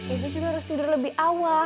ibu juga harus tidur lebih awal